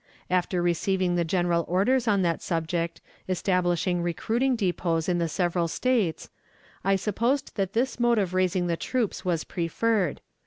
After receiving the general orders on that subject establishing recruiting depots in the several States, I supposed that this mode of raising the troops was preferred.